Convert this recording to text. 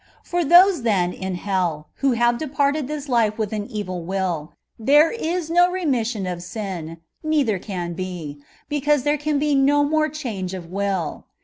For those, then, in hell, who have departed this life with an evil will, there is no remission of sin, nei ther can be, because there can be no more change of will.